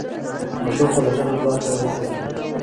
ماشوم خپل لاسونه پلار ته وښودل.